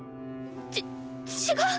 ち違う。